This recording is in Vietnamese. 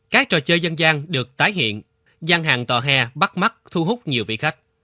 các trò chơi dân gian được tái hiện gian hàng tòa hè bắt mắt thu hút nhiều vị khách